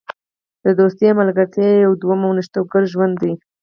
دوستي او ملګرتیا یو دوهم او نوښتګر ژوند دی.